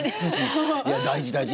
いや大事大事。